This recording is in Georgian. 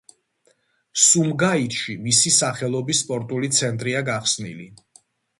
სუმგაითში მისი სახელობის სპორტული ცენტრია გახსნილი.